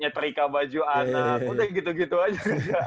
nyetrika baju anak udah gitu gitu aja